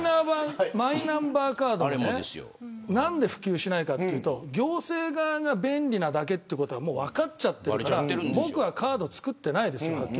マイナンバーカード何で普及しないかというと行政側が便利なだけということがもう分かっちゃってるから僕はカード作ってないです。